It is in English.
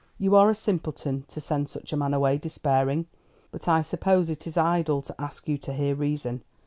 "You are a simpleton to send such a man away despairing. But I suppose it is idle to ask you to hear reason.